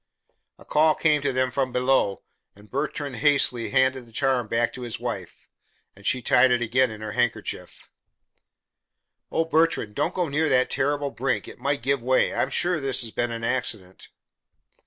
A call came to them from below, and Bertrand hastily handed the charm back to his wife, and she tied it again in her handkerchief. "Oh, Bertrand, don't go near that terrible brink. It might give way. I'm sure this has been an accident."